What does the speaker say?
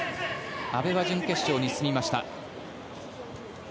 阿部は準決勝に進みました。